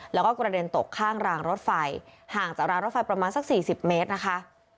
แล้วก็กระเด็นตกข้างรางรถไฟห่างจากรางรถไฟประมาณสัก๔๐เมตรนะคะ